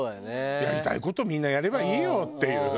やりたい事みんなやればいいよっていう。